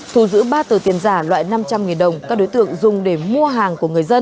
thu giữ ba tờ tiền giả loại năm trăm linh đồng các đối tượng dùng để mua hàng của người dân